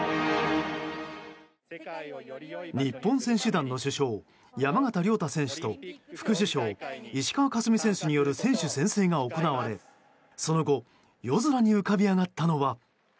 日本選手団の主将・山縣亮太選手と副主将・石川佳純選手による選手宣誓が行われその後夜空に浮かび上がったのは。